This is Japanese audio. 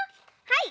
はい。